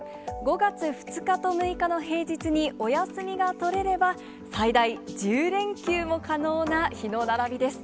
５月２日と６日の平日にお休みが取れれば、最大１０連休も可能な日の並びです。